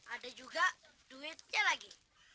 ada juga duitnya lagi